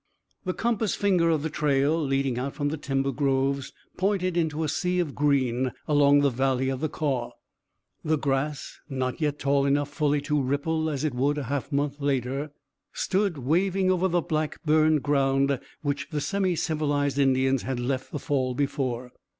The compass finger of the trail, leading out from the timber groves, pointed into a sea of green along the valley of the Kaw. The grass, not yet tall enough fully to ripple as it would a half month later, stood waving over the black burned ground which the semicivilized Indians had left the fall before.